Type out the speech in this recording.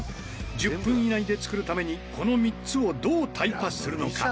１０分以内で作るためにこの３つをどうタイパするのか？